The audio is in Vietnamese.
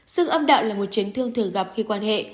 sức âm đạo là một chiến thương thường gặp khi quan hệ